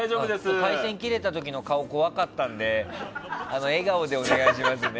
回線切れた時の顔が怖かったので笑顔でお願いしますね。